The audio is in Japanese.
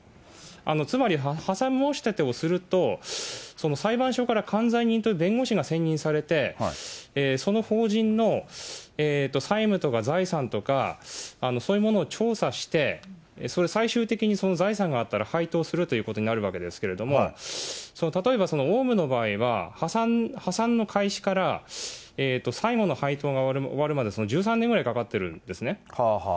つまり破産申し立てをすると、裁判所から管財人という弁護士が選任されて、その法人の債務とか財産とか、そういうものを調査して、最終的にその財産があったら、配当するということになるわけですけれども、例えば、オウムの場合は破産の開始から最後の配当が終わるまで１３年ぐらいかかってるんですね。